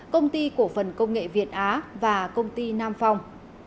công ty cổ phần công nghệ việt á và công ty nam phong